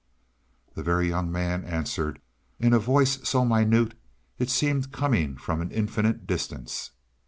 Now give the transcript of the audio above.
The Very Young Man answered, in a voice so minute it seemed coming from an infinite distance.